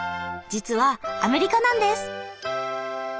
実はアメリカなんです。